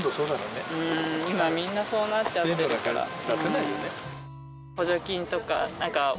今みんなそうなっちゃってるから。